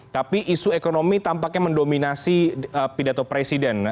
tapi isu ekonomi tampaknya mendominasi pidato presiden